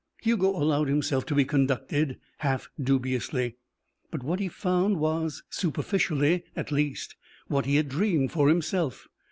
Hugo allowed himself to be conducted half dubiously. But what he found was superficially, at least, what he had dreamed for himself.